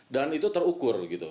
dan itu terukur gitu